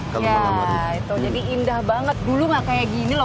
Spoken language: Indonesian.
jadi indah banget dulu gak kayak gini loh